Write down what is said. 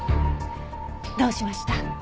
どうしました？